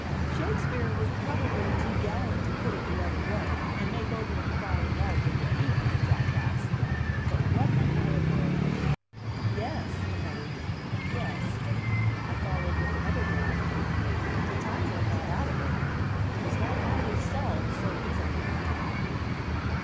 "Shakespeare was probably too gallant to put it the other way, and make Oberon fall in love with a female jackass. But what an allegory!" "Yes," he muttered. "Yes." I followed with another drop. "Titania got out of it. It is not always solved so easily."